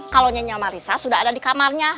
kalau nyanyi marissa sudah ada di kamarnya